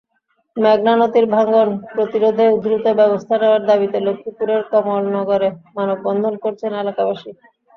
মেঘনা নদীর ভাঙন প্রতিরোধে দ্রুত ব্যবস্থা নেওয়ার দাবিতে লক্ষ্মীপুরের কমলনগরে মানববন্ধন করেছেন এলাকাবাসী।